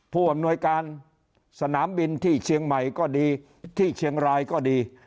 ผู้อำนวยการสนามบินที่เชียงใหม่ก็ดีที่เชียงรายก็ดี